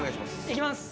いきます！